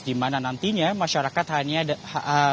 di mana nantinya masyarakat hanya dapat